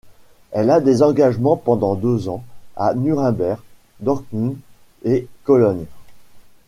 Elle a des engagements pendant deux ans à Nuremberg, Dortmund et Cologne.